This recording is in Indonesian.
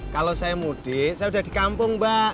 kalau saya mudik saya sudah di kampung mbak